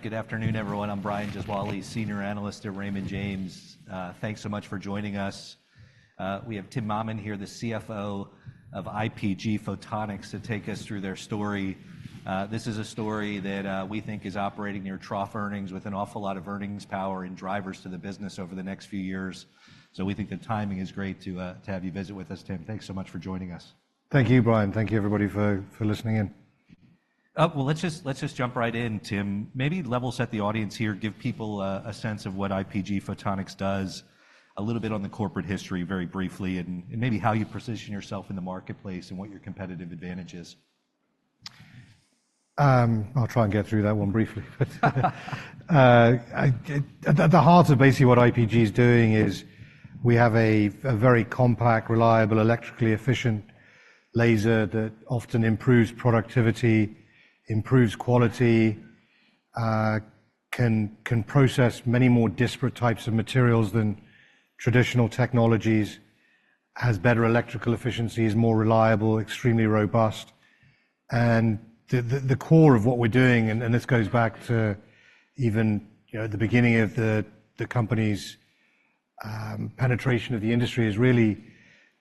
Good afternoon, everyone. I'm Brian Gesuale, Senior Analyst at Raymond James. Thanks so much for joining us. We have Tim Mammen here, the CFO of IPG Photonics, to take us through their story. This is a story that we think is operating near trough earnings with an awful lot of earnings power and drivers to the business over the next few years. So we think the timing is great to have you visit with us, Tim. Thanks so much for joining us. Thank you, Brian. Thank you, everybody, for listening in. Well, let's just jump right in, Tim. Maybe level set the audience here, give people a sense of what IPG Photonics does, a little bit on the corporate history very briefly, and maybe how you position yourself in the marketplace and what your competitive advantage is. I'll try and get through that one briefly. At the heart of basically what IPG is doing is we have a very compact, reliable, electrically efficient laser that often improves productivity, improves quality, can process many more disparate types of materials than traditional technologies, has better electrical efficiency, is more reliable, extremely robust. And the core of what we're doing, and this goes back to even the beginning of the company's penetration of the industry, is really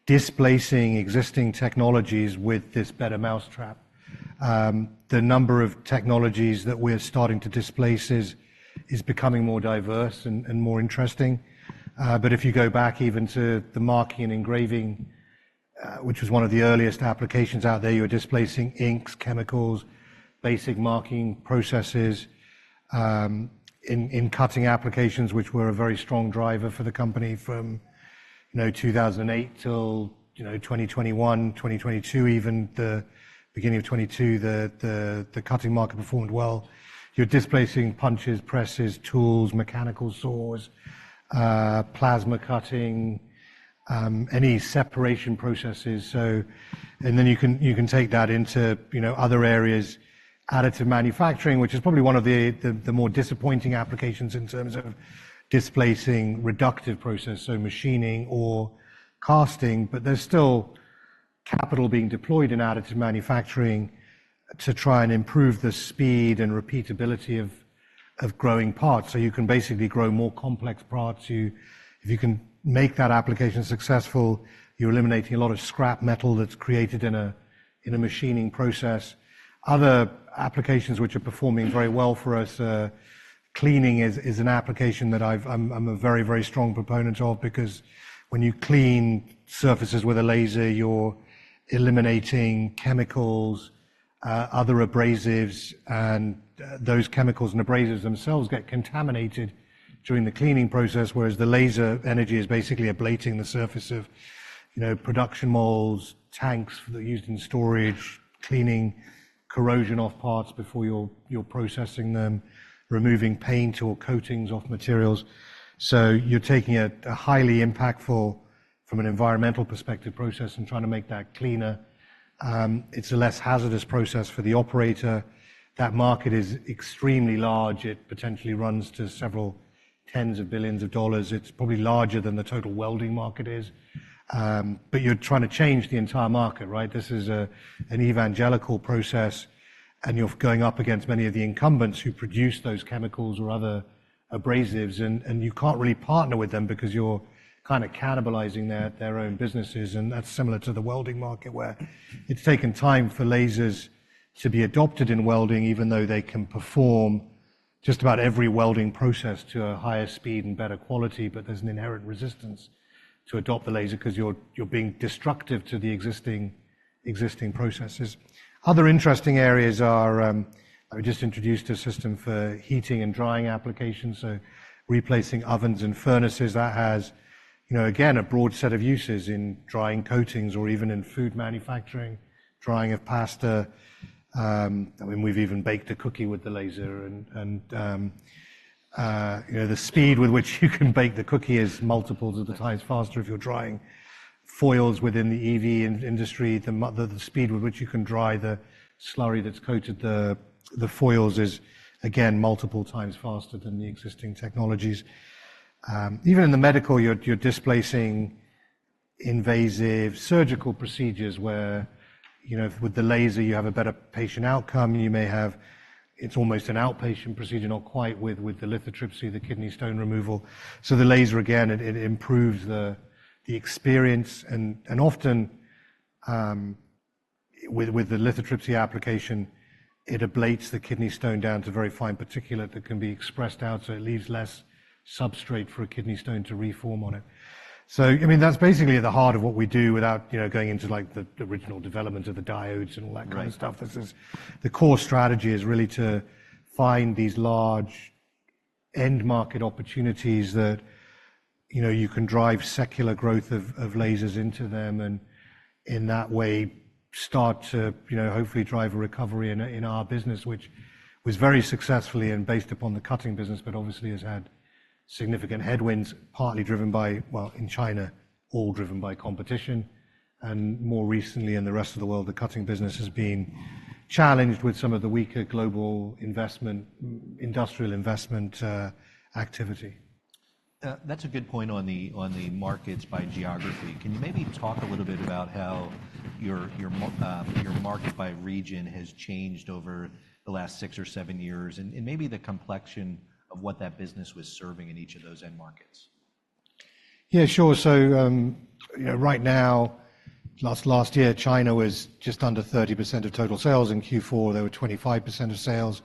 displacing existing technologies with this better mousetrap. The number of technologies that we're starting to displace is becoming more diverse and more interesting. But if you go back even to the marking and engraving, which was one of the earliest applications out there, you were displacing inks, chemicals, basic marking processes in cutting applications, which were a very strong driver for the company from 2008 till 2021, 2022 even, the beginning of 2022, the cutting market performed well. You're displacing punches, presses, tools, mechanical saws, plasma cutting, any separation processes. And then you can take that into other areas, additive manufacturing, which is probably one of the more disappointing applications in terms of displacing reductive process, so machining or casting. But there's still capital being deployed in additive manufacturing to try and improve the speed and repeatability of growing parts. So you can basically grow more complex parts. If you can make that application successful, you're eliminating a lot of scrap metal that's created in a machining process. Other applications which are performing very well for us are cleaning, which is an application that I'm a very, very strong proponent of because when you clean surfaces with a laser, you're eliminating chemicals, other abrasives, and those chemicals and abrasives themselves get contaminated during the cleaning process, whereas the laser energy is basically ablating the surface of production molds, tanks used in storage, cleaning corrosion off parts before you're processing them, removing paint or coatings off materials. So you're taking a highly impactful, from an environmental perspective, process and trying to make that cleaner. It's a less hazardous process for the operator. That market is extremely large. It potentially runs to several tens of billions of dollars. It's probably larger than the total welding market is. But you're trying to change the entire market, right? This is an evangelical process, and you're going up against many of the incumbents who produce those chemicals or other abrasives, and you can't really partner with them because you're kind of cannibalizing their own businesses. That's similar to the welding market where it's taken time for lasers to be adopted in welding, even though they can perform just about every welding process to a higher speed and better quality, but there's an inherent resistance to adopt the laser because you're being destructive to the existing processes. Other interesting areas are. I was just introduced to a system for heating and drying applications, so replacing ovens and furnaces. That has, again, a broad set of uses in drying coatings or even in food manufacturing, drying of pasta. I mean, we've even baked a cookie with the laser. The speed with which you can bake the cookie is multiples of the times faster if you're drying foils within the EV industry. The speed with which you can dry the slurry that's coated the foils is, again, multiple times faster than the existing technologies. Even in the medical, you're displacing invasive surgical procedures where with the laser, you have a better patient outcome. It's almost an outpatient procedure, not quite, with the lithotripsy, the kidney stone removal. So the laser, again, it improves the experience. And often, with the lithotripsy application, it ablates the kidney stone down to very fine particulate that can be expressed out, so it leaves less substrate for a kidney stone to reform on it. So, I mean, that's basically at the heart of what we do without going into the original development of the diodes and all that kind of stuff. The core strategy is really to find these large end-market opportunities that you can drive secular growth of lasers into them and in that way start to hopefully drive a recovery in our business, which was very successfully and based upon the cutting business, but obviously has had significant headwinds, partly driven by, well, in China, all driven by competition. More recently in the rest of the world, the cutting business has been challenged with some of the weaker global industrial investment activity. That's a good point on the markets by geography. Can you maybe talk a little bit about how your market by region has changed over the last six or seven years and maybe the complexion of what that business was serving in each of those end markets? Yeah, sure. So right now, last year, China was just under 30% of total sales. In Q4, they were 25% of sales.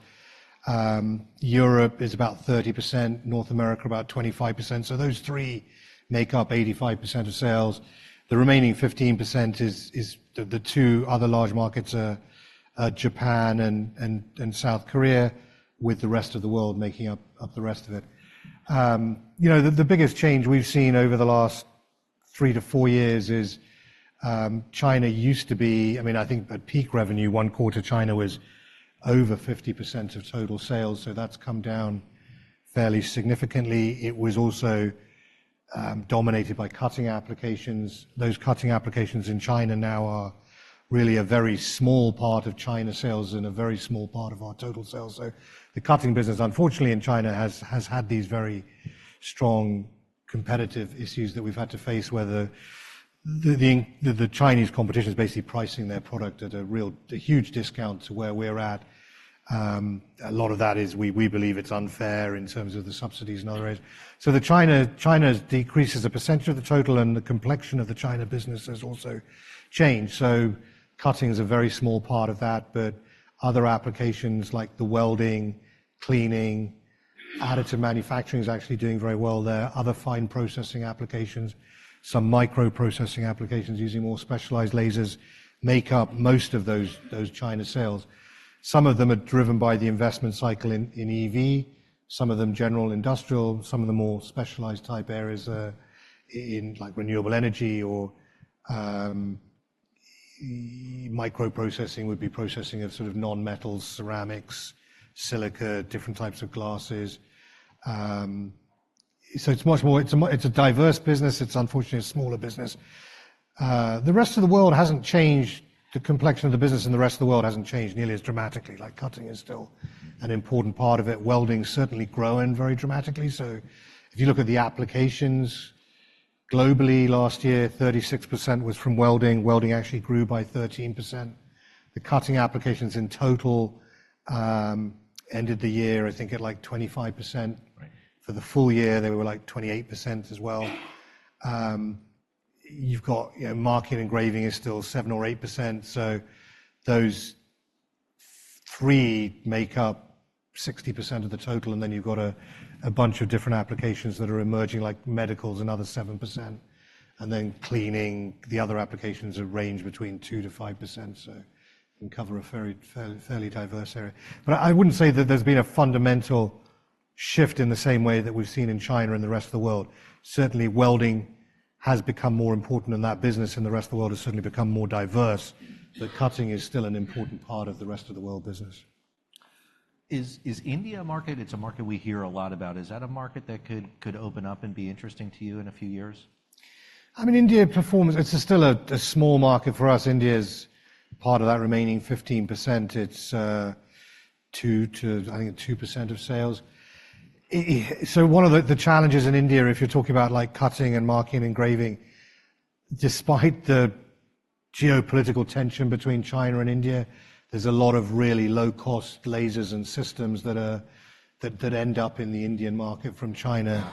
Europe is about 30%, North America about 25%. So those three make up 85% of sales. The remaining 15% is the two other large markets are Japan and South Korea, with the rest of the world making up the rest of it. The biggest change we've seen over the last 3-4 years is China used to be I mean, I think at peak revenue, one quarter of China was over 50% of total sales. So that's come down fairly significantly. It was also dominated by cutting applications. Those cutting applications in China now are really a very small part of China sales and a very small part of our total sales. So the cutting business, unfortunately, in China has had these very strong competitive issues that we've had to face, where the Chinese competition is basically pricing their product at a huge discount to where we're at. A lot of that is we believe it's unfair in terms of the subsidies and other areas. So China's decrease as a percentage of the total and the complexion of the China business has also changed. So cutting is a very small part of that. But other applications like the welding, cleaning, additive manufacturing is actually doing very well there. Other fine processing applications, some microprocessing applications using more specialized lasers make up most of those China sales. Some of them are driven by the investment cycle in EV, some of them general industrial, some of the more specialized type areas in renewable energy or microprocessing would be processing of sort of non-metals, ceramics, silica, different types of glasses. So it's a diverse business. It's, unfortunately, a smaller business. The rest of the world hasn't changed. The complexion of the business in the rest of the world hasn't changed nearly as dramatically. Cutting is still an important part of it. Welding is certainly growing very dramatically. So if you look at the applications globally last year, 36% was from welding. Welding actually grew by 13%. The cutting applications in total ended the year, I think, at 25%. For the full year, they were 28% as well. You've got marking, engraving is still 7 or 8%. So those three make up 60% of the total. And then you've got a bunch of different applications that are emerging, like medicals, another 7%. And then cleaning, the other applications range between 2%-5%. So you can cover a fairly diverse area. But I wouldn't say that there's been a fundamental shift in the same way that we've seen in China and the rest of the world. Certainly, welding has become more important in that business, and the rest of the world has certainly become more diverse. But cutting is still an important part of the rest of the world business. Is India a market? It's a market we hear a lot about. Is that a market that could open up and be interesting to you in a few years? I mean, India performs. It's still a small market for us. India is part of that remaining 15%. It's, I think, 2% of sales. So one of the challenges in India, if you're talking about cutting and marking and engraving, despite the geopolitical tension between China and India, there's a lot of really low-cost lasers and systems that end up in the Indian market from China,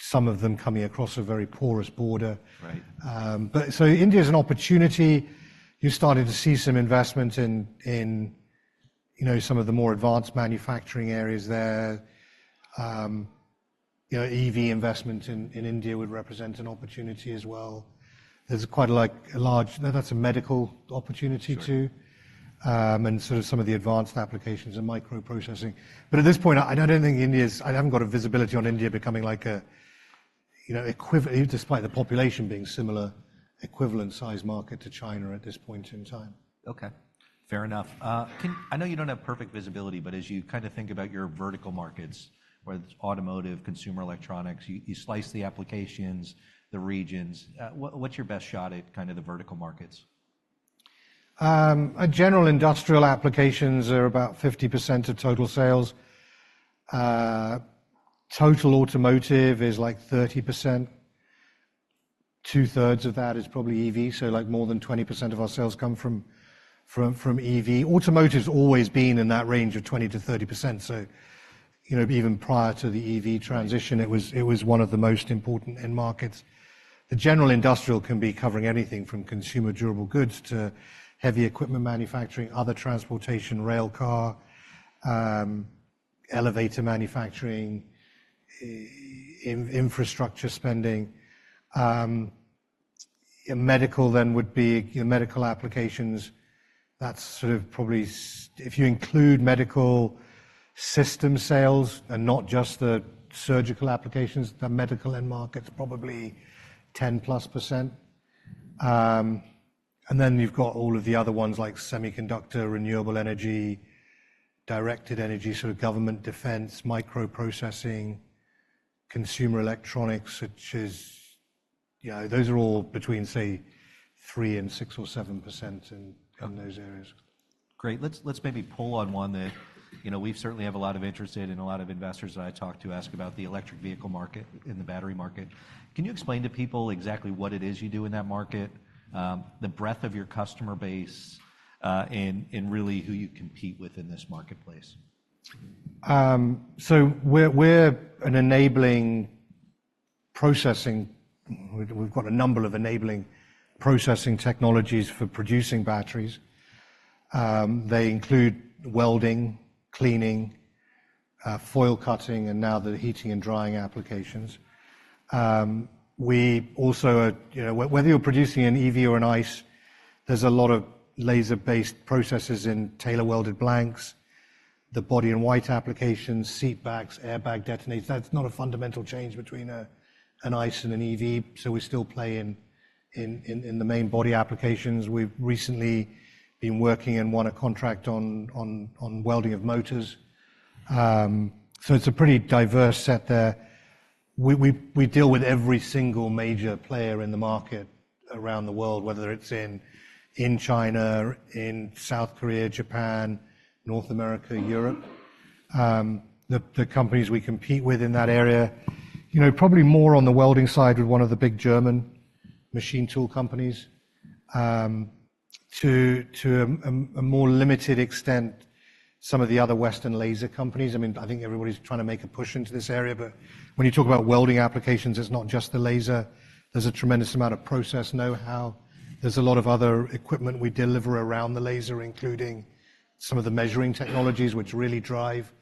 some of them coming across a very porous border. So India is an opportunity. You've started to see some investment in some of the more advanced manufacturing areas there. EV investment in India would represent an opportunity as well. There's quite a large, that's a medical opportunity too, and sort of some of the advanced applications and microprocessing. But at this point, I don't think India is. I haven't got a visibility on India becoming, despite the population being a similar equivalent-sized market to China at this point in time. Okay. Fair enough. I know you don't have perfect visibility, but as you kind of think about your vertical markets, whether it's automotive, consumer electronics, you slice the applications, the regions. What's your best shot at kind of the vertical markets? General industrial applications are about 50% of total sales. Total automotive is 30%. Two-thirds of that is probably EV. So more than 20% of our sales come from EV. Automotive's always been in that range of 20%-30%. So even prior to the EV transition, it was one of the most important end markets. The general industrial can be covering anything from consumer durable goods to heavy equipment manufacturing, other transportation, rail car, elevator manufacturing, infrastructure spending. Medical then would be medical applications. That's sort of probably if you include medical system sales and not just the surgical applications, the medical end market's probably 10%+. And then you've got all of the other ones like semiconductor, renewable energy, directed energy, sort of government defense, micro machining, consumer electronics, which is those are all between, say, 3%-7% in those areas. Great. Let's maybe pull on one that we certainly have a lot of interest in and a lot of investors that I talk to ask about the electric vehicle market and the battery market. Can you explain to people exactly what it is you do in that market, the breadth of your customer base, and really who you compete with in this marketplace? So we're an enabling processing. We've got a number of enabling processing technologies for producing batteries. They include welding, cleaning, foil cutting, and now the heating and drying applications. We also are whether you're producing an EV or an ICE, there's a lot of laser-based processes in tailor-welded blanks, the body-in-white applications, seatbacks, airbag detonators. That's not a fundamental change between an ICE and an EV. So we still play in the main body applications. We've recently been working and won a contract on welding of motors. So it's a pretty diverse set there. We deal with every single major player in the market around the world, whether it's in China, in South Korea, Japan, North America, Europe, the companies we compete with in that area, probably more on the welding side with one of the big German machine tool companies, to a more limited extent, some of the other Western laser companies. I mean, I think everybody's trying to make a push into this area. But when you talk about welding applications, it's not just the laser. There's a tremendous amount of process know-how. There's a lot of other equipment we deliver around the laser, including some of the measuring technologies, which really drive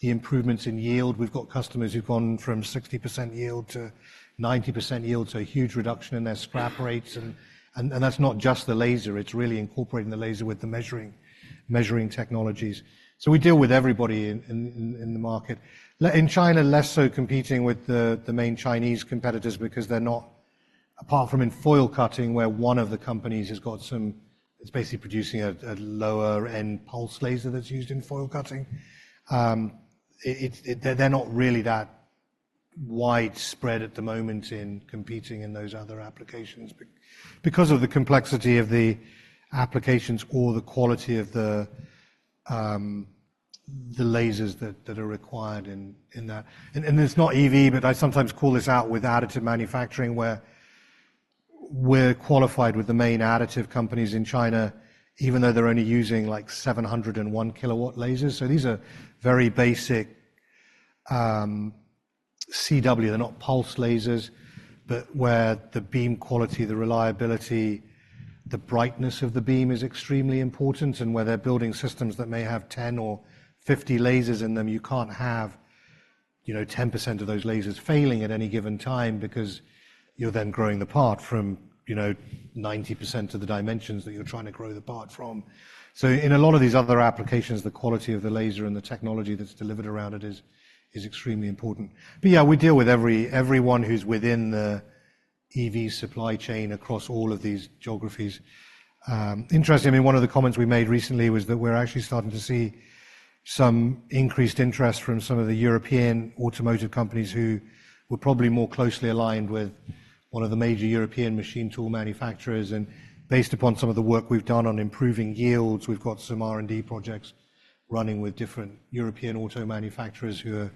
the improvements in yield. We've got customers who've gone from 60%-90% yield, so a huge reduction in their scrap rates. And that's not just the laser. It's really incorporating the laser with the measuring technologies. So we deal with everybody in the market, in China, less so competing with the main Chinese competitors because they're not apart from in foil cutting, where one of the companies has got some it's basically producing a lower-end pulse laser that's used in foil cutting. They're not really that widespread at the moment in competing in those other applications because of the complexity of the applications or the quality of the lasers that are required in that. And it's not EV, but I sometimes call this out with additive manufacturing, where we're qualified with the main additive companies in China, even though they're only using 701 kilowatt lasers. So these are very basic CW. They're not pulse lasers, but where the beam quality, the reliability, the brightness of the beam is extremely important, and where they're building systems that may have 10 or 50 lasers in them, you can't have 10% of those lasers failing at any given time because you're then growing the part from 90% of the dimensions that you're trying to grow the part from. So in a lot of these other applications, the quality of the laser and the technology that's delivered around it is extremely important. But yeah, we deal with everyone who's within the EV supply chain across all of these geographies. Interesting. I mean, one of the comments we made recently was that we're actually starting to see some increased interest from some of the European automotive companies who were probably more closely aligned with one of the major European machine tool manufacturers. Based upon some of the work we've done on improving yields, we've got some R&D projects running with different European auto manufacturers who are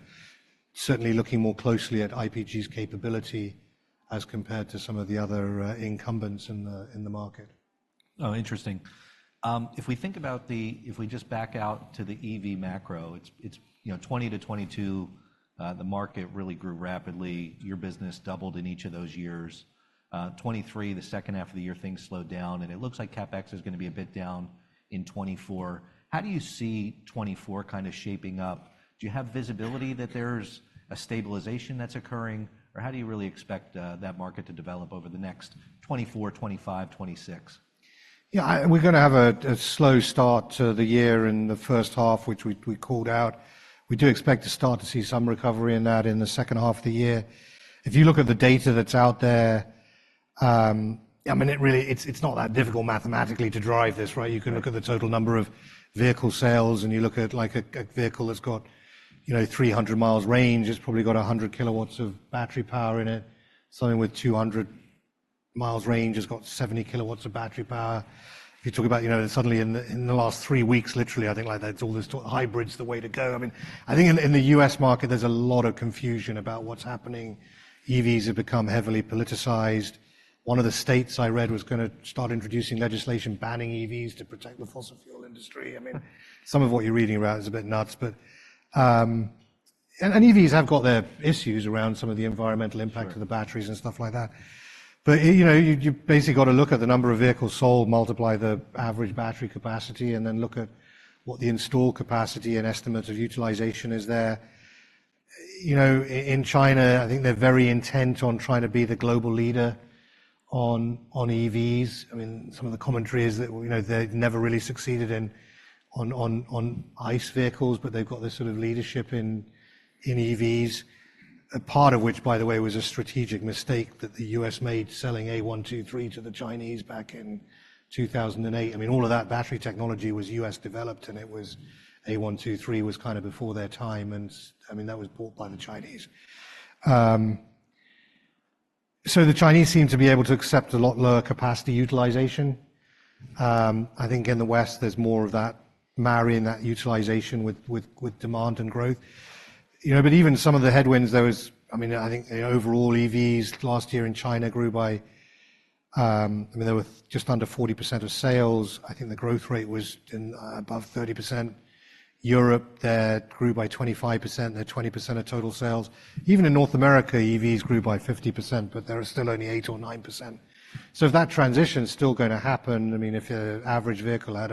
certainly looking more closely at IPG's capability as compared to some of the other incumbents in the market. Oh, interesting. If we think about if we just back out to the EV macro, it's 2020-2022, the market really grew rapidly. Your business doubled in each of those years. 2023, the second half of the year, things slowed down. And it looks like CapEx is going to be a bit down in 2024. How do you see 2024 kind of shaping up? Do you have visibility that there's a stabilization that's occurring, or how do you really expect that market to develop over the next 2024, 2025, 2026? Yeah, we're going to have a slow start to the year in the first half, which we called out. We do expect to start to see some recovery in that in the second half of the year. If you look at the data that's out there, I mean, it's not that difficult mathematically to drive this, right? You can look at the total number of vehicle sales, and you look at a vehicle that's got 300 miles range. It's probably got 100 kW of battery power in it. Something with 200 miles range has got 70 kW of battery power. If you talk about suddenly in the last three weeks, literally, I think that's all this hybrid's the way to go. I mean, I think in the U.S. market, there's a lot of confusion about what's happening. EVs have become heavily politicized. One of the states I read was going to start introducing legislation banning EVs to protect the fossil fuel industry. I mean, some of what you're reading about is a bit nuts, but and EVs have got their issues around some of the environmental impact of the batteries and stuff like that. You've basically got to look at the number of vehicles sold, multiply the average battery capacity, and then look at what the install capacity and estimates of utilization is there. In China, I think they're very intent on trying to be the global leader on EVs. I mean, some of the commentary is that they've never really succeeded on ICE vehicles, but they've got this sort of leadership in EVs, a part of which, by the way, was a strategic mistake that the U.S. made selling A123 to the Chinese back in 2008. I mean, all of that battery technology was U.S.-developed, and A123 was kind of before their time. And I mean, that was bought by the Chinese. So the Chinese seem to be able to accept a lot lower capacity utilization. I think in the West, there's more of that marrying that utilization with demand and growth. But even some of the headwinds, there was I mean, I think overall, EVs last year in China grew by I mean, they were just under 40% of sales. I think the growth rate was above 30%. Europe, they grew by 25%. They're 20% of total sales. Even in North America, EVs grew by 50%, but there are still only 8 or 9%. So if that transition's still going to happen, I mean, if an average vehicle had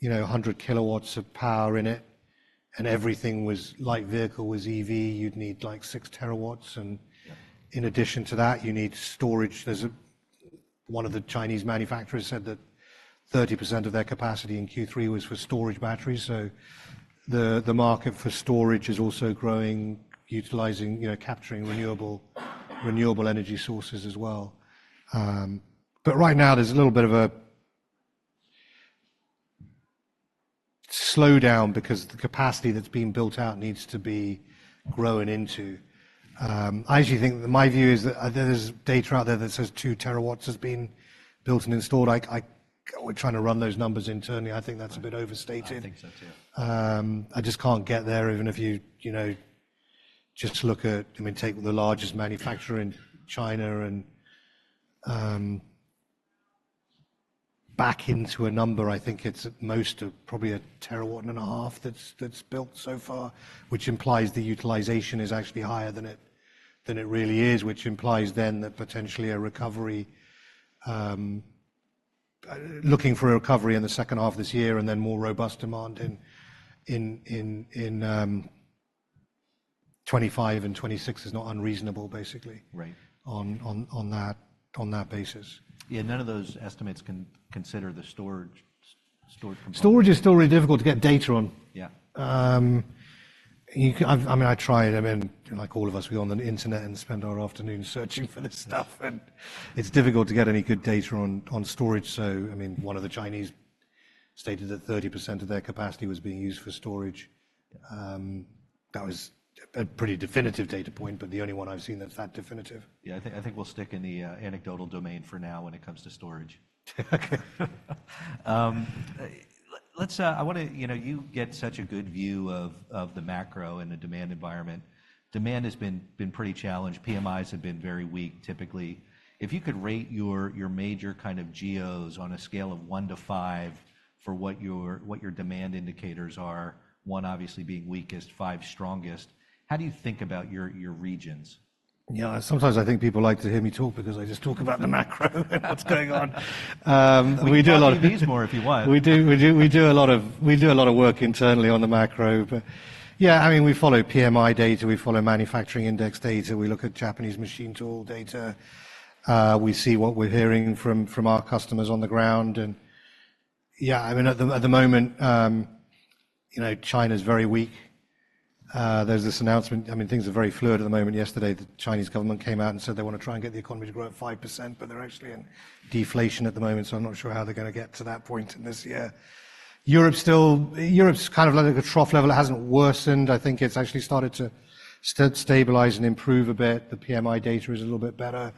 100 kW of power in it and everything was light vehicle was EV, you'd need 6 TW. And in addition to that, you need storage. One of the Chinese manufacturers said that 30% of their capacity in Q3 was for storage batteries. So the market for storage is also growing, capturing renewable energy sources as well. But right now, there's a little bit of a slowdown because the capacity that's being built out needs to be growing into. I actually think my view is that there's data out there that says 2 TW has been built and installed. We're trying to run those numbers internally. I think that's a bit overstated. I think so too. I just can't get there, even if you just look at—I mean, take the largest manufacturer in China and back into a number. I think it's at most probably 1.5 terawatts that's built so far, which implies the utilization is actually higher than it really is, which implies then that potentially a recovery looking for a recovery in the second half of this year and then more robust demand in 2025 and 2026 is not unreasonable, basically, on that basis. Yeah. None of those estimates can consider the storage component. Storage is still really difficult to get data on. I mean, I try it. I mean, like all of us, we're on the internet and spend our afternoons searching for this stuff. It's difficult to get any good data on storage. I mean, one of the Chinese stated that 30% of their capacity was being used for storage. That was a pretty definitive data point, but the only one I've seen that's that definitive. Yeah. I think we'll stick in the anecdotal domain for now when it comes to storage. Okay. I want you to get such a good view of the macro and the demand environment. Demand has been pretty challenged. PMIs have been very weak, typically. If you could rate your major kind of geos on a scale of 1 to 5 for what your demand indicators are, 1 obviously being weakest, 5 strongest, how do you think about your regions? Yeah. Sometimes I think people like to hear me talk because I just talk about the macro and what's going on. We do a lot of these more if you want. We do a lot of work internally on the macro. But yeah, I mean, we follow PMI data. We follow manufacturing index data. We look at Japanese machine tool data. We see what we're hearing from our customers on the ground. And yeah, I mean, at the moment, China's very weak. There's this announcement. I mean, things are very fluid at the moment. Yesterday, the Chinese government came out and said they want to try and get the economy to grow at 5%, but they're actually in deflation at the moment. So I'm not sure how they're going to get to that point in this year. Europe's kind of like a trough level. It hasn't worsened. I think it's actually started to stabilize and improve a bit. The PMI data is a little bit better.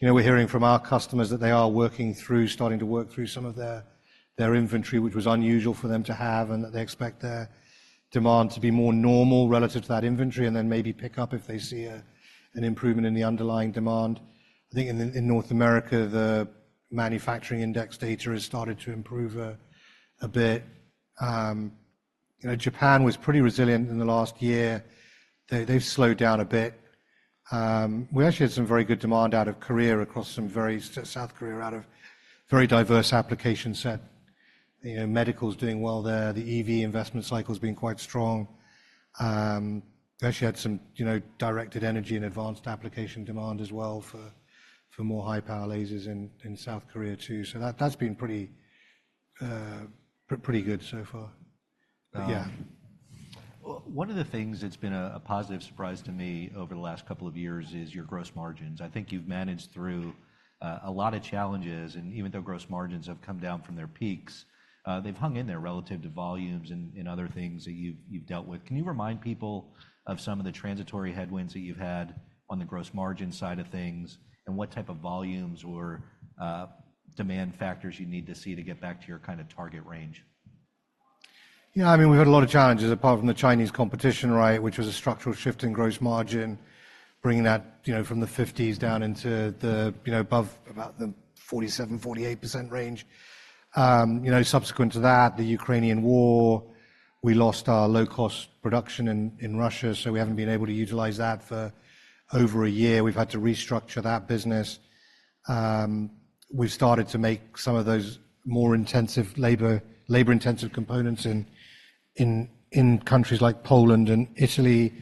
We're hearing from our customers that they are working through starting to work through some of their inventory, which was unusual for them to have, and that they expect their demand to be more normal relative to that inventory and then maybe pick up if they see an improvement in the underlying demand. I think in North America, the manufacturing index data has started to improve a bit. Japan was pretty resilient in the last year. They've slowed down a bit. We actually had some very good demand out of Korea across some very South Korea out of very diverse application set. Medical's doing well there. The EV investment cycle's been quite strong. We actually had some Directed Energy and advanced application demand as well for more high-power lasers in South Korea too. So that's been pretty good so far. But yeah. One of the things that's been a positive surprise to me over the last couple of years is your gross margins. I think you've managed through a lot of challenges. Even though gross margins have come down from their peaks, they've hung in there relative to volumes and other things that you've dealt with. Can you remind people of some of the transitory headwinds that you've had on the gross margin side of things and what type of volumes or demand factors you need to see to get back to your kind of target range? Yeah. I mean, we've had a lot of challenges apart from the Chinese competition, right, which was a structural shift in gross margin, bringing that from the 50s down into the above about the 47%-48% range. Subsequent to that, the Ukrainian war, we lost our low-cost production in Russia, so we haven't been able to utilize that for over a year. We've had to restructure that business. We've started to make some of those more intensive labor-intensive components in countries like Poland and Italy.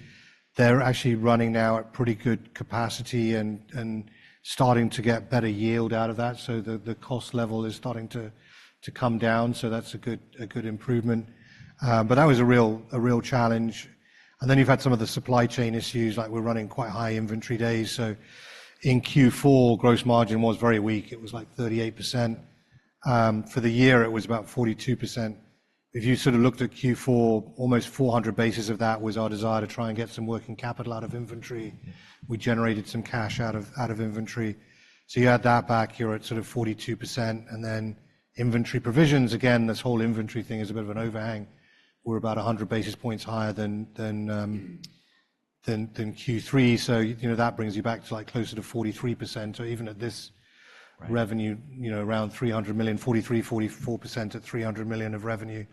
They're actually running now at pretty good capacity and starting to get better yield out of that. So the cost level is starting to come down. So that's a good improvement. But that was a real challenge. And then you've had some of the supply chain issues. We're running quite high inventory days. So in Q4, gross margin was very weak. It was like 38%. For the year, it was about 42%. If you sort of looked at Q4, almost 400 basis points of that was our desire to try and get some working capital out of inventory. We generated some cash out of inventory. So you add that back, you're at sort of 42%. And then inventory provisions, again, this whole inventory thing is a bit of an overhang. We're about 100 basis points higher than Q3. So that brings you back to closer to 43%. So even at this revenue, around $300 million, 43%-44% at $300 million of revenue.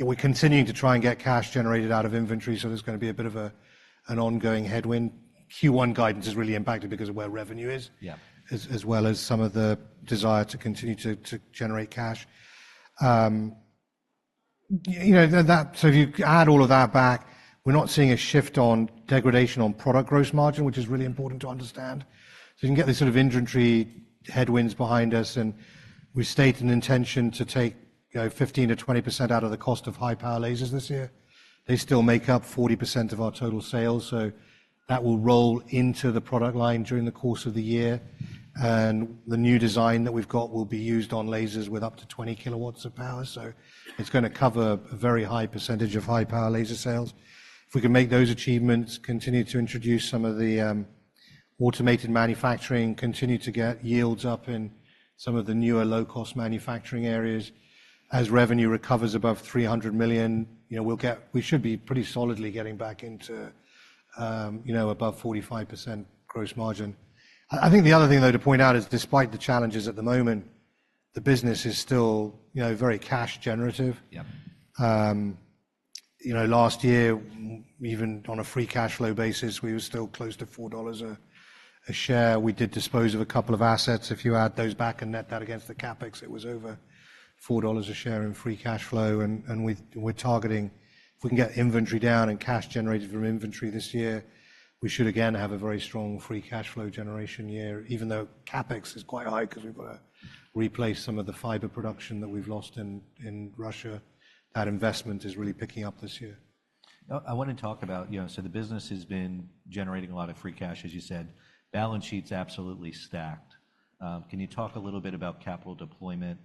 We're continuing to try and get cash generated out of inventory. So there's going to be a bit of an ongoing headwind. Q1 guidance is really impacted because of where revenue is, as well as some of the desire to continue to generate cash. So if you add all of that back, we're not seeing a shift on degradation on product gross margin, which is really important to understand. So you can get these sort of inventory headwinds behind us. And we state an intention to take 15%-20% out of the cost of high-power lasers this year. They still make up 40% of our total sales. So that will roll into the product line during the course of the year. And the new design that we've got will be used on lasers with up to 20 kW of power. So it's going to cover a very high percentage of high-power laser sales. If we can make those achievements, continue to introduce some of the automated manufacturing, continue to get yields up in some of the newer low-cost manufacturing areas, as revenue recovers above $300 million, we should be pretty solidly getting back into above 45% gross margin. I think the other thing, though, to point out is despite the challenges at the moment, the business is still very cash-generative. Last year, even on a free cash flow basis, we were still close to $4 a share. We did dispose of a couple of assets. If you add those back and net that against the CapEx, it was over $4 a share in free cash flow. We're targeting if we can get inventory down and cash generated from inventory this year, we should again have a very strong free cash flow generation year. Even though CapEx is quite high because we've got to replace some of the fiber production that we've lost in Russia, that investment is really picking up this year. I want to talk about, so the business has been generating a lot of free cash, as you said. Balance sheet's absolutely stacked. Can you talk a little bit about capital deployment?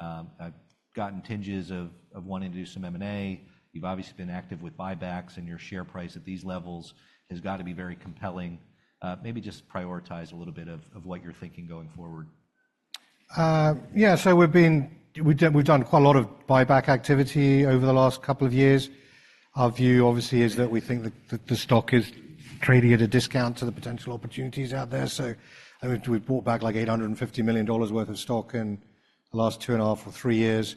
I've gotten tinges of wanting to do some M&A. You've obviously been active with buybacks, and your share price at these levels has got to be very compelling. Maybe just prioritize a little bit of what you're thinking going forward. Yeah. So we've done quite a lot of buyback activity over the last couple of years. Our view, obviously, is that we think the stock is trading at a discount to the potential opportunities out there. So we've bought back like $850 million worth of stock in the last 2.5 or 3 years,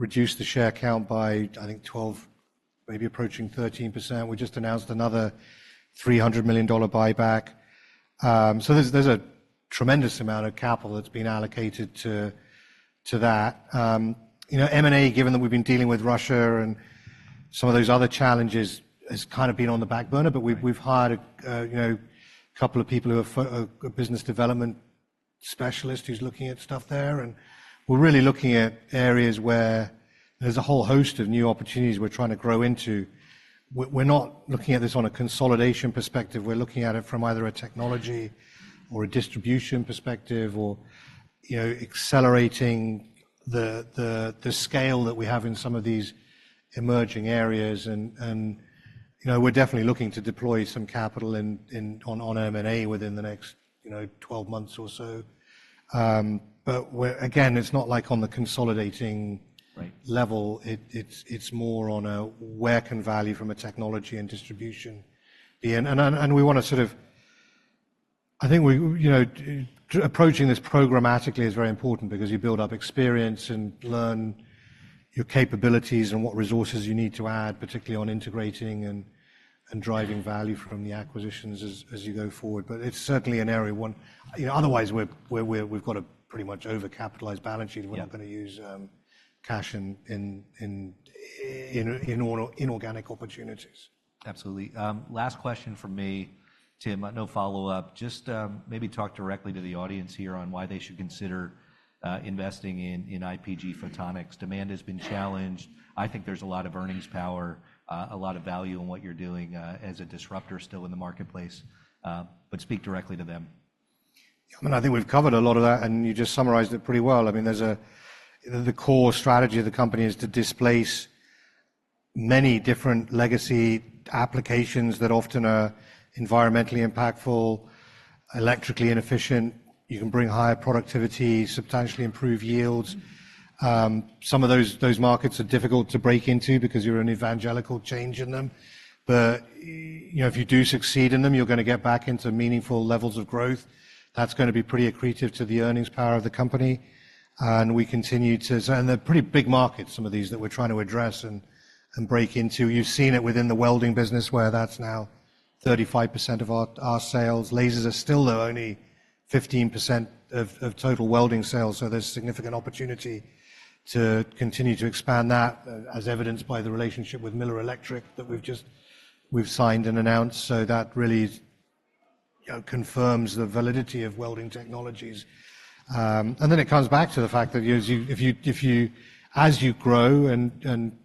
reduced the share count by, I think, 12%, maybe approaching 13%. We just announced another $300 million buyback. So there's a tremendous amount of capital that's been allocated to that. M&A, given that we've been dealing with Russia and some of those other challenges, has kind of been on the back burner. But we've hired a couple of people who are business development specialists who's looking at stuff there. And we're really looking at areas where there's a whole host of new opportunities we're trying to grow into. We're not looking at this on a consolidation perspective. We're looking at it from either a technology or a distribution perspective or accelerating the scale that we have in some of these emerging areas. And we're definitely looking to deploy some capital on M&A within the next 12 months or so. But again, it's not like on the consolidating level. It's more on where can value from a technology and distribution be. And we want to sort of I think approaching this programmatically is very important because you build up experience and learn your capabilities and what resources you need to add, particularly on integrating and driving value from the acquisitions as you go forward. But it's certainly an area. Otherwise, we've got a pretty much overcapitalized balance sheet. We're not going to use cash in organic opportunities. Absolutely. Last question for me, Tim. No follow-up. Just maybe talk directly to the audience here on why they should consider investing in IPG Photonics. Demand has been challenged. I think there's a lot of earnings power, a lot of value in what you're doing as a disruptor still in the marketplace. But speak directly to them. Yeah. I mean, I think we've covered a lot of that, and you just summarized it pretty well. I mean, the core strategy of the company is to displace many different legacy applications that often are environmentally impactful, electrically inefficient. You can bring higher productivity, substantially improve yields. Some of those markets are difficult to break into because you're an evangelical change in them. But if you do succeed in them, you're going to get back into meaningful levels of growth. That's going to be pretty accretive to the earnings power of the company. And we continue to and they're pretty big markets, some of these, that we're trying to address and break into. You've seen it within the welding business where that's now 35% of our sales. Lasers are still the only 15% of total welding sales. So there's significant opportunity to continue to expand that, as evidenced by the relationship with Miller Electric that we've signed and announced. So that really confirms the validity of welding technologies. And then it comes back to the fact that as you grow and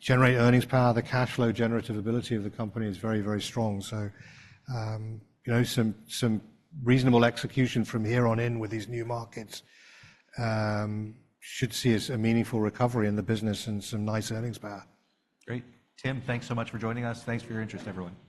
generate earnings power, the cash flow generative ability of the company is very, very strong. So some reasonable execution from here on in with these new markets should see a meaningful recovery in the business and some nice earnings power. Great. Tim, thanks so much for joining us. Thanks for your interest, everyone.